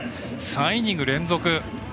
３イニング連続。